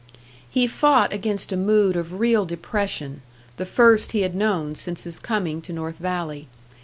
He fought against a mood of real depression, the first he had known since his coming to North Valley.